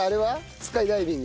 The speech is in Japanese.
スカイダイビング。